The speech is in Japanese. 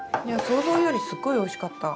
想像よりすっごいおいしかった。